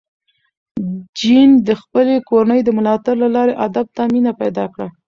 جین د خپلې کورنۍ د ملاتړ له لارې ادب ته مینه پیدا کړه.